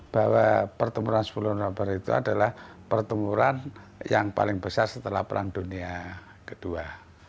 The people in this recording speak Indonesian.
bahwa pertemuran sepuluh november itu adalah pertempuran yang paling besar setelah perang dunia ii